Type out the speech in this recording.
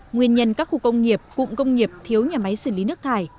nguyên nhân các khu công nghiệp cụm công nghiệp thiếu nhà máy xử lý nước thải